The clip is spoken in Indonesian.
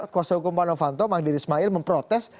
kuasa hukuman novanto mahdi rismail memprotes